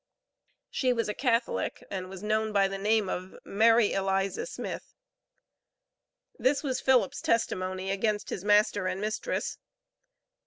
She was a Catholic, and was known by the name of Mary Eliza Smith." This was Philip's testimony against his master and mistress.